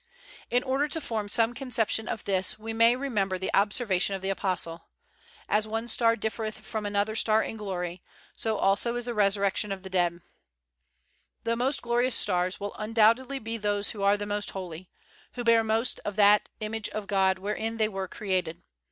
In order to form some conception of this we may remember the observation of the Apostle, "As one star differeth from another star in glory, so also is the resurrection of the 178 WESLEY dead. '' The most glorious stars will undoubtedly be those who are the most holy; who bear most of that image of God wherein they were created.